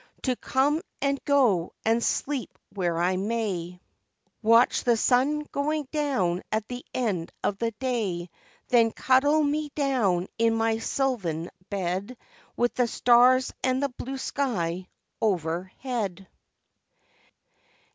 To come and to go and sleep where I may, 66 LIFE WAVES Watch the sun going down at the end of the day. Then cuddle me down in my sylvan bed, With the stars and the blue sky overhead.